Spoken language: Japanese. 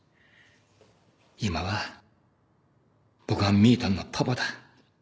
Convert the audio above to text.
今は僕がみぃたんのパパだ。